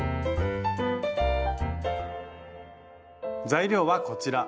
材料はこちら。